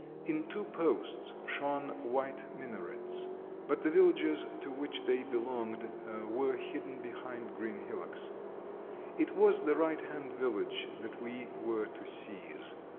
In two posts shone white minarets; but the villages to which they belonged were hidden behind green hillocks. It was the right hand village that we were to seize.